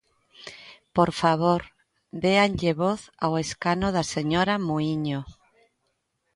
Por favor, déanlle voz ao escano da señora Muíño.